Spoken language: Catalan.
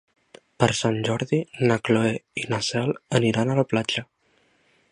Per Sant Jordi na Cloè i na Cel aniran a la platja.